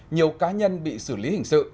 nhiều cá nhân bị xử lý hình sự